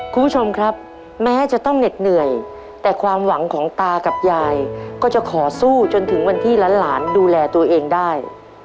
คุณผู้ชมครับแม้จะต้องเหน็ดเหนื่อยแต่ความหวังของตากับยายก็จะขอสู้จนถึงวันที่หลานดูแลตัวเองได้